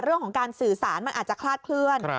เรื่องของการสื่อสารมันอาจจะคลาดเคลื่อน